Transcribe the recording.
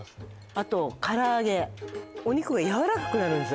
あと唐揚げお肉がやわらかくなるんですよ